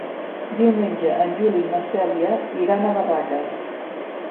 Diumenge en Juli i na Cèlia iran a Barraques.